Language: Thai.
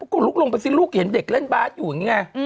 หลุกลงเป็นรูกเห็นเด็กเล่นบาร์ชอยังไง